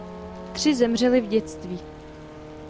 Tři zemřely v dětství.